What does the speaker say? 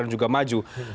dan juga maju